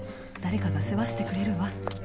誰かが世話してくれるわ。